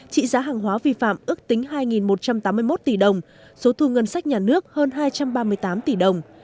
trị giá hàng hóa vi phạm ước tính hai một trăm tám mươi một tỷ đồng số thu ngân sách nhà nước hơn hai trăm ba mươi tám tỷ đồng